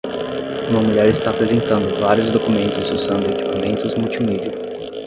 Uma mulher está apresentando vários documentos usando equipamentos multimídia.